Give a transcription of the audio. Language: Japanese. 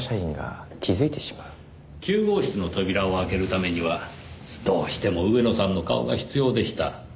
９号室の扉を開けるためにはどうしても上野さんの顔が必要でした。